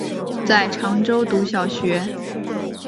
在常州读小学。